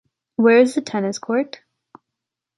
Where is the tennis court?